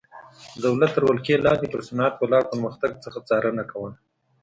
د دولت تر ولکې لاندې پر صنعت ولاړ پرمختګ څخه څارنه کوله.